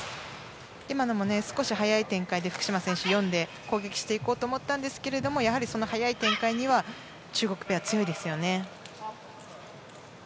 今のも少し早い展開で福島、読んで攻撃していこうと思ったんですけどやはりその早い展開には中国ペアは強いですよね。